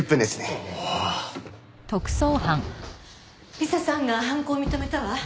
理彩さんが犯行を認めたわ。